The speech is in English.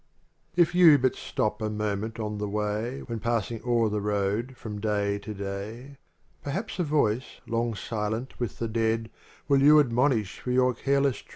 If you but stop a moment on the way When passing o'er the road from day to day, remaps a voice long sueni wiin me aeao, WWill you admonish for your ™r*i«« +~